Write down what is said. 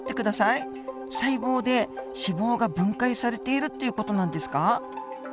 細胞で脂肪が分解されているっていう事なんですか？